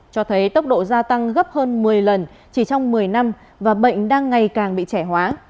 cho thấy tốc độ gia tăng gấp hơn một mươi lần chỉ trong một mươi năm và bệnh đang ngày càng bị trẻ hóa